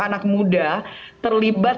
anak muda terlibat